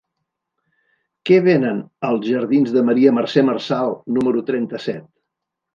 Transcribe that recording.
Què venen als jardins de Maria Mercè Marçal número trenta-set?